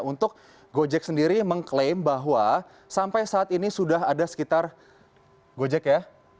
untuk gojek sendiri mengklaim bahwa sampai saat ini sudah ada sekitar gojek ya